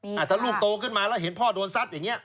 ถ้าลูกโตขึ้นมาแล้วเห็นพ่อโดนซัดอย่างเงี้